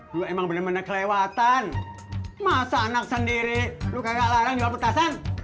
dua emang bener bener kelewatan masa anak sendiri lu kagak larang jual petasan